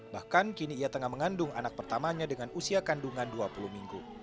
bahkan kini ia tengah mengandung anak pertamanya dengan usia kandungan dua puluh minggu